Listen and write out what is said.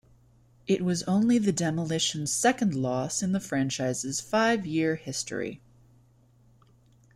It was only the Demolition's second loss in the franchise's five-year history.